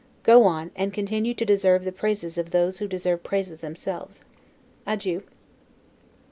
Go on, and continue to deserve the praises of those who deserve praises themselves. Adieu.